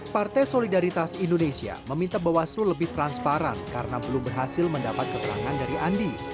partai solidaritas indonesia meminta bawaslu lebih transparan karena belum berhasil mendapat keterangan dari andi